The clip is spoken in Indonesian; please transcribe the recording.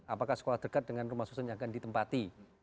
apakah sekolah dekat dengan rumah susun yang akan ditempati